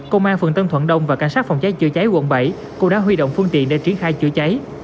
công an phường tân thuận đông và cảnh sát phòng cháy chữa cháy quận bảy cũng đã huy động phương tiện để triển khai chữa cháy